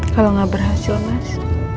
kalau nggak berhasil mas